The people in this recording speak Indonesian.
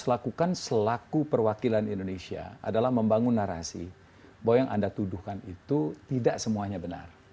yang harus dilakukan selaku perwakilan indonesia adalah membangun narasi bahwa yang anda tuduhkan itu tidak semuanya benar